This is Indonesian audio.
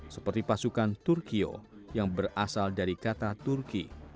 seperti pasukan turkiyo yang berasal dari kata turki